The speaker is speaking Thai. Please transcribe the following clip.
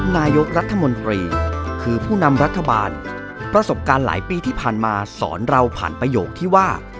นายกรัฐมนตรีคือผู้นำรัฐบาลประสบการณ์หลายปีที่ผ่านมาสอนเราผ่านประโยคที่ว่า